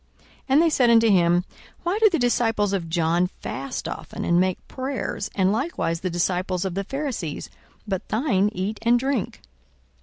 42:005:033 And they said unto him, Why do the disciples of John fast often, and make prayers, and likewise the disciples of the Pharisees; but thine eat and drink?